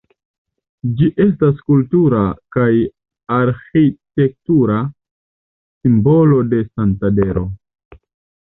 Ĝi estas kultura kaj arĥitektura simbolo de Santandero.